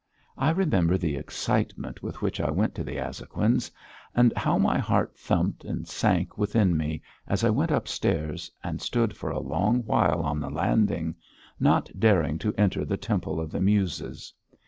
I remember the excitement with which I went to the Azhoguins', and how my heart thumped and sank within me, as I went up stairs and stood for a long while on the landing, not daring to enter that temple of the Muses!